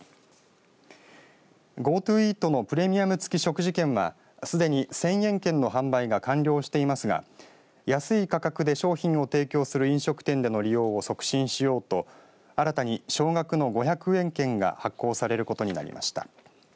ＧｏＴｏイートのプレミアム付き食事券はすでに１０００円券の販売が完了していますが安い価格で商品を提供する飲食店での利用を促進しようと新たに小額の５００円券が発行されることになりました。